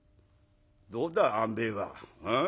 「どうだあんべえは。ああ？